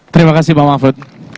terima kasih pak mahfud